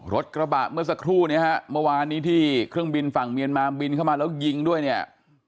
รถกระบะเมื่อสักครู่เนี่ยฮะเมื่อวานนี้ที่เครื่องบินฝั่งเมียนมาบินเข้ามาแล้วยิงด้วยเนี่ย